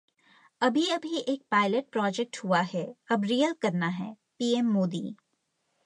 अभी-अभी एक pilot project हुआ है, अब रियल करना है: पीएम मोदी